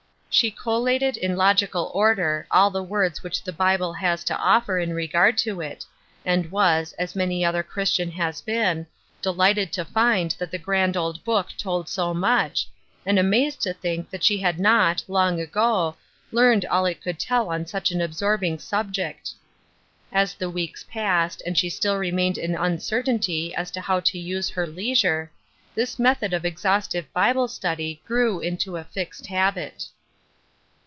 She collated in logical order all the words which the Bible has to offer in regard to it, and was, as many another Christian has been, delighted to find that the grand old Book told so much, and amazed to think that she had not, long ago, learned all it had to tell on such an absorbing subject. As the weeks passed, and she still remained in uncertainty as to how to use her leisure, this method of exhaustive Bible study grew into a fixed habit.